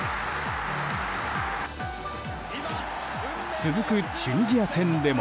続くチュニジア戦でも。